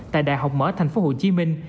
tại đại học mở thành phố hồ chí minh